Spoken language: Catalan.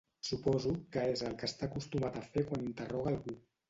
Suposo que és el que està acostumat a fer quan interroga algú.